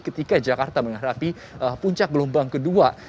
ketika jakarta menghadapi puncak gelombang kedua